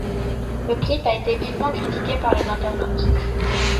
Le clip a été vivement critiqué par les internautes.